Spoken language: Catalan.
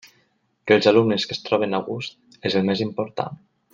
Que els alumnes que es troben a gust és el més important.